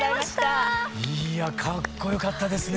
いやかっこよかったですね。